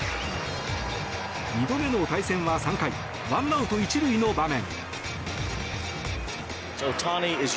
２度目の対戦は３回ワンアウト１塁の場面。